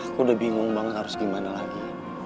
aku udah bingung banget harus gimana lagi